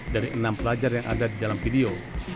dari enam pelajar yang ada di dalam video